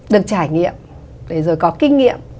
được trải nghiệm rồi có kinh nghiệm